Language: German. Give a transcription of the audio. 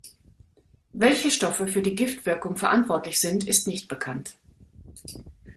Welche Stoffe für die Giftwirkung verantwortlich sind, ist nicht bekannt.